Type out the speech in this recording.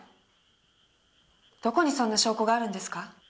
どこにそんな証拠があるんですか？